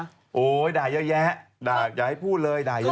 โอ้โหด่าเยอะแยะด่าอย่าให้พูดเลยด่าเยอะ